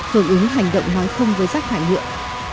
hưởng ứng hành động máu không với rác thải lượng